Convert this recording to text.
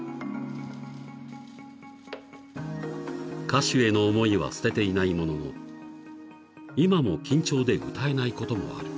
［歌手への思いは捨てていないものの今も緊張で歌えないこともある］